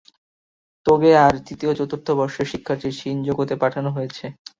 তোগে আর তৃতীয়-চতুর্থ বর্ষের শিক্ষার্থীদের শিনজোকুতে পাঠানো হয়েছে।